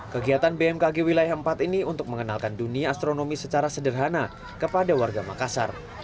kegiatan bmkg wilayah empat ini untuk mengenalkan dunia astronomi secara sederhana kepada warga makassar